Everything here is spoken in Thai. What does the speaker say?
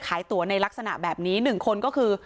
ตัวในลักษณะแบบนี้๑คนก็คือ